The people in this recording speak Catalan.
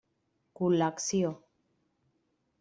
Col·lecció: